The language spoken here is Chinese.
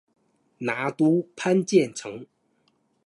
拿督潘健成